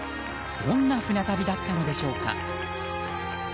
どんな船旅だったのでしょうか。